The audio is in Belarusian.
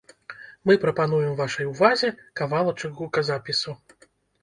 Мы прапануем вашай увазе кавалачак гуказапісу.